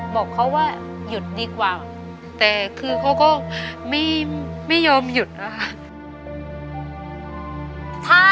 บอกเขาว่าหยุดดีกว่าแต่คือเขาก็ไม่ยอมหยุดนะคะ